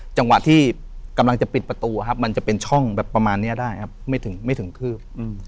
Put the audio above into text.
จังหวะที่กำลังจะปิดประตูครับมันจะเป็นช่องแบบประมาณนี้ได้ครับไม่ถึงคืบ